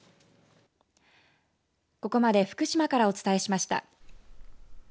ここまで福島からお伝えしました。